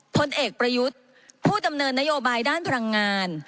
พลเอกประยุทธ์ผู้ดำเนินนโยบายด้านพลังงาน